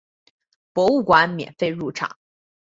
博物馆免费入场。